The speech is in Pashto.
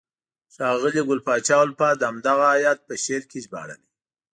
ښاغلي ګل پاچا الفت همدغه آیت په شعر کې ژباړلی: